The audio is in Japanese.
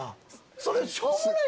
それしょうもない。